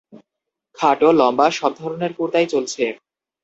খাটো, লম্বা সব ধরনের কুর্তাই চলছে।